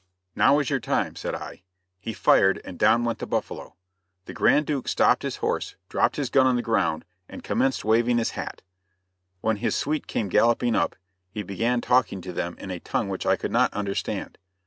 "Now is your time," said I. He fired, and down went the buffalo. The Grand Duke stopped his horse, dropped his gun on the ground, and commenced waving his hat. When his suite came galloping up, he began talking to them in a tongue which I could not understand.